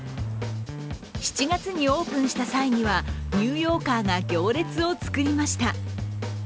７月にオープンした際にはニューヨーカーが行列を作りました。